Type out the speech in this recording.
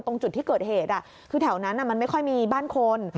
ตรงจุดที่เกิดเหตุคือแถวนั้นมันไม่ค่อยมีบ้านคน